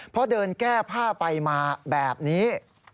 เพราะเดินแก้ผ้าไปมาแบบนี้